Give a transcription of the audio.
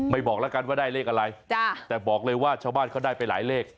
บอกแล้วกันว่าได้เลขอะไรแต่บอกเลยว่าชาวบ้านเขาได้ไปหลายเลข